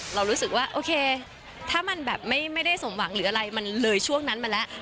เรารู้สึกว่าโอเคถ้ามันแบบไม่ได้สมหวังหรืออะไรมันเลยช่วงนั้นมาแล้ว